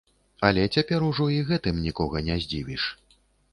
Але цяпер ужо і гэтым нікога не здзівіш.